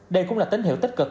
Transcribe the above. đây cũng là tín hiệu tích cực